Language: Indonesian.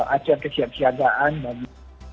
ajaran kesiap kesiagaan bagi